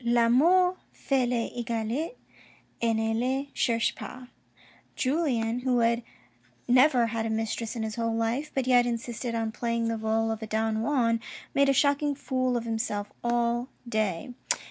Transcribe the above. '• L'amour Fait les egalites, et ne les cherche pas." Julien who had never had a mistress in his whole life, but yet insisted on playing the role of a Don Juan, made a shock ing fool of himself all day.